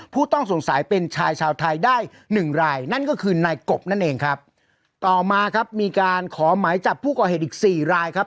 ผู้ต้องสงสัยเป็นชายชาวไทยได้หนึ่งรายนั่นก็คือนายกบนั่นเองครับต่อมาครับมีการขอหมายจับผู้ก่อเหตุอีกสี่รายครับ